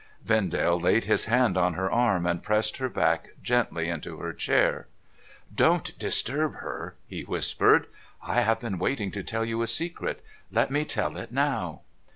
Vendale laid his hand on her arm, and pressed her back gently into her chair. ' Don't disturb her,' he whispered. ' I have been waiting to tell you a secret. Let me tell it now.'